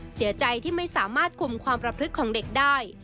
เสียใจที่ไม่สามารถคุมความประพฤติของเด็กได้